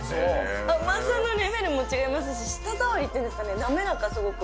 甘さのレベルも違いますし、舌触りっていうんですかね、滑らか、すごく。